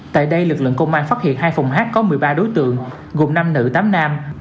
tại đây lực lượng công an phát hiện hai phòng hát có một mươi ba đối tượng gồm năm nữ tám nam